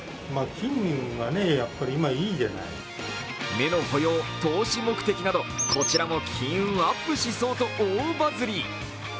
目の保養、投資目的など、こちらも金運アップしそうと大バズり。